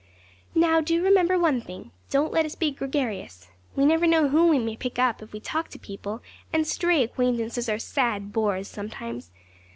'Now, do remember one thing: don't let us be gregarious. We never know who we may pick up if we talk to people; and stray acquaintances are sad bores sometimes.